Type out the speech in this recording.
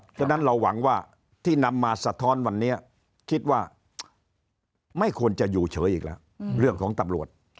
ฉะนั้นเราหวังว่าที่นำมาสะท้อนวันนี้คิดว่าไม่ควรจะอยู่เฉยอีกแล้วเรื่องของตำรวจ